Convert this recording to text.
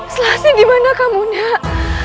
selasi dimana kamu nak